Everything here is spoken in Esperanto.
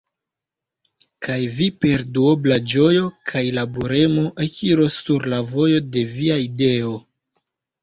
Kaj Vi per duobla ĝojo kaj laboremo ekiros sur la vojo de Via ideo!"